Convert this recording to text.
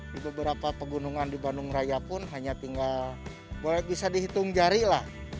di beberapa pegunungan di bandung raya pun hanya tinggal bisa dihitung jari lah